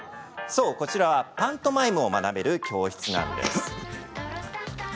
そう、こちらはパントマイムを学べる教室なんです。